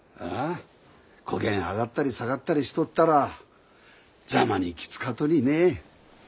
こげん上がったり下がったりしとったらざまにきつかとにね。